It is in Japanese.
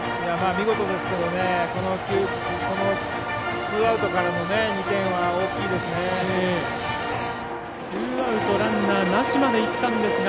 見事ですけどこのツーアウトからの２点は大きいですね。